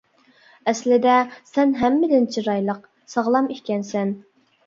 ئەسلىدە سەن ھەممىدىن چىرايلىق، ساغلام ئىكەنسەن.